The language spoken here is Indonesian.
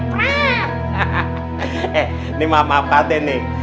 eh nih maaf maaf pak teneng